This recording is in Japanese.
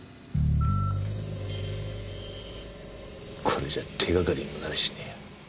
これじゃ手掛かりにもなりゃしねえや。